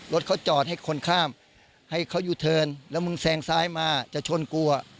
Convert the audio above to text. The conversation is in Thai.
รถเขาจอดให้คนข้ามให้เขายูเทิร์นแล้วมึงแซงซ้ายมาจะชนกู